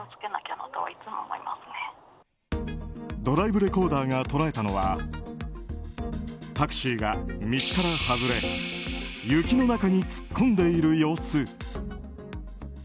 ドライブレコーダーが捉えたのはタクシーが道から外れ雪の中に突っ込んでいる様子。